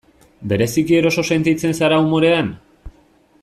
Bereziki eroso sentitzen zara umorean?